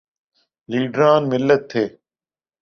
لیڈران ملت تھے۔